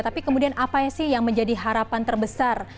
tapi kemudian apa sih yang menjadi harapan terbesar